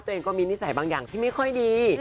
ตัวเองก็มีนิสัยบางอย่างที่ไม่ค่อยดี